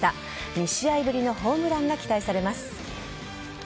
２試合ぶりのホームランが期待されます。